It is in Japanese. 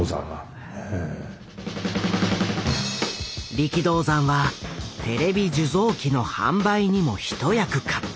力道山はテレビ受像機の販売にも一役買った。